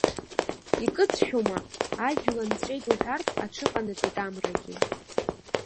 Икыдшәома, ажәла нҵәеит уҳәартә аҽыҟанаҵеит амрагьы.